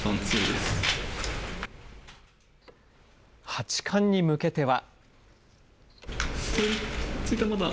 八冠に向けては。